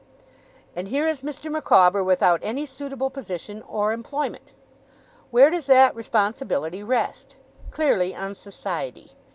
'And here is Mr. Micawber without any suitable position or employment. Where does that responsibility rest? Clearly on society.